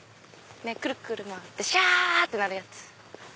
くるくる回ってシャ！ってなるやつ。